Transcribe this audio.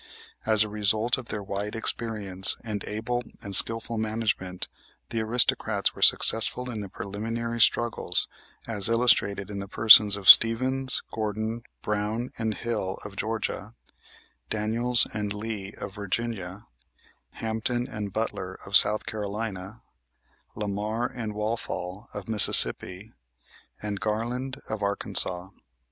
As a result of their wide experience, and able and skillful management, the aristocrats were successful in the preliminary struggles, as illustrated in the persons of Stephens, Gordon, Brown and Hill, of Georgia; Daniels and Lee, of Virginia; Hampton and Butler, of South Carolina; Lamar and Walthall, of Mississippi, and Garland, of Arkansas.